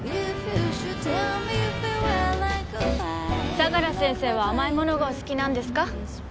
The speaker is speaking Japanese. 相良先生は甘いものがお好きなんですか？